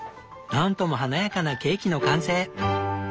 何とも華やかなケーキの完成！